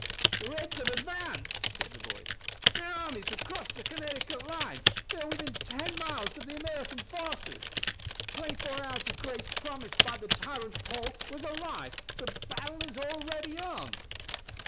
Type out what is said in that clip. "The Reds have advanced," said the voice. "Their armies have crossed the Connecticut line. They are within ten miles of the American forces. The twenty four hours of grace promised by the tyrant 'Paul' was a lie. The battle is already on."